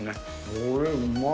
これ、うまい。